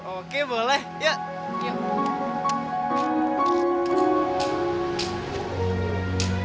oke boleh yuk